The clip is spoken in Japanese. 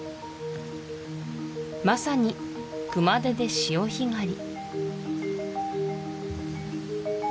まさに熊手で潮干狩り